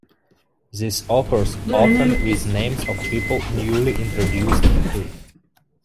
This occurs often with names of people newly introduced to.